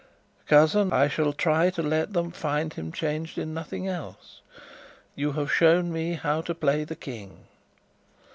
Cousin, I shall try to let them find him changed in nothing else. You have shown me how to play the King."